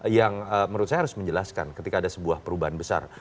yang menurut saya harus menjelaskan ketika ada sebuah perubahan besar